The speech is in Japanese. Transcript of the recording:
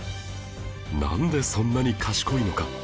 なんでそんなに賢いのか？